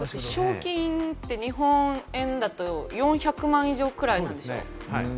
賞金って日本円だと４００万円以上くらいなんでしょう？